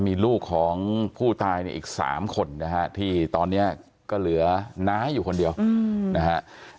มีลูกของผู้ตายเนี่ยอีก๓คนนะฮะที่ตอนนี้ก็เหลือน้าอยู่คนเดียวนะฮะ